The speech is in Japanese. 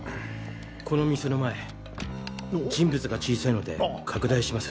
この店の前人物が小さいので拡大します。